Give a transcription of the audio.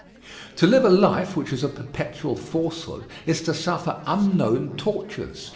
To live a life which is a perpetual falsehood is to suffer unknown tortures.